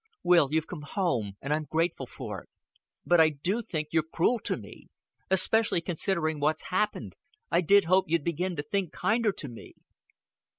"Will, you've come home, and I'm grateful for it. But but I do think you're cruel to me. Especially considering what's happened, I did hope you'd begin to think kinder to me."